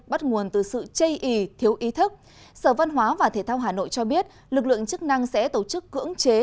lây ý thiếu ý thức sở văn hóa và thể thao hà nội cho biết lực lượng chức năng sẽ tổ chức cưỡng chế